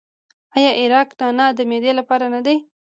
آیا عرق نعنا د معدې لپاره نه دی؟